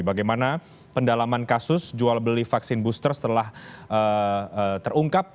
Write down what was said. bagaimana pendalaman kasus jual beli vaksin booster setelah terungkap